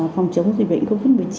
phòng chống dịch bệnh covid một mươi chín